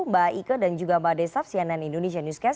mbak ike dan juga mbak desaf cnn indonesia newscast